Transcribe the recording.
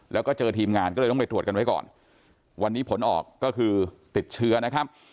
แล้วก็เจอทีมงานก็เลยต้องไปตรวจกันไว้ก่อนวันนี้ผลออกก็คือติดเชื้อนะครับ